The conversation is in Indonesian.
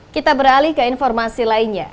kita beralih ke informasi lainnya